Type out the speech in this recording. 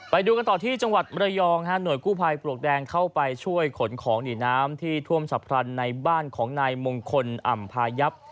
ไปดูกันต่อที่จังหวัดมรยองฮะหน่วยกู้ภัยปลวกแดงเข้าไปช่วยขนของหนีน้ำที่ท่วมฉับพลันในบ้านของนายมงคลอ่ำพายับ